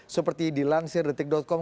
seperti dilansir detik com